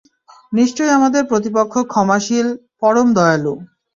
নিশ্চয়ই আমার প্রতিপালক ক্ষমাশীল, পরম দয়ালু।